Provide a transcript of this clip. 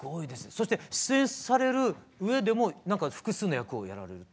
そして出演されるうえでも複数の役をやられるって。